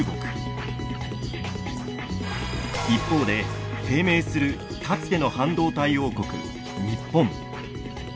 一方で低迷するかつての半導体王国日本。